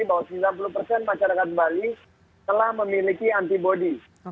bahwa sembilan puluh persen masyarakat bali telah memiliki antibody